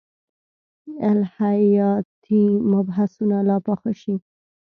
الهیاتي مبحثونه لا پاخه شي.